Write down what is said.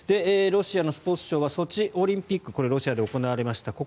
ロシアのスポーツ省はソチオリンピックこれ、ロシアで行われました。